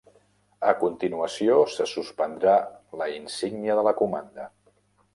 A continuació, se suspendrà la insígnia de la comanda.